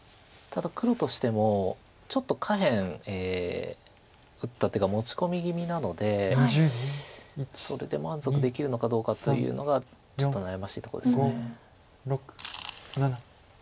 ただ黒としてもちょっと下辺打った手が持ち込み気味なのでそれで満足できるのかどうかというのがちょっと悩ましいとこです。